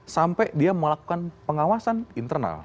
sampai dia melakukan pengawasan internal